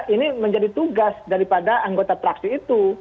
ini menjadi tugas daripada anggota praksi itu